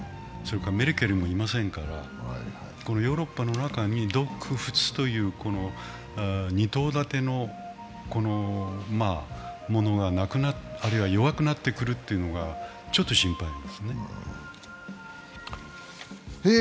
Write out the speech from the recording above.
それからメルケルもいませんからヨーロッパの中に独仏という二頭立てのものが弱くなってくるというのがちょっと心配。